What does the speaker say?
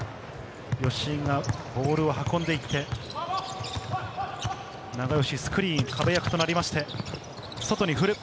吉井がボールを運んでいって、永吉、スクリーン、壁役となりまして、外に振る。